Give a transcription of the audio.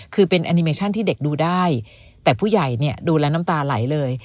คือเป็นแอนิเมชั่นที่เด็กดูได้แต่ผู้ใหญ่เนี่ยดูแล้วน้ำตาไหลเลย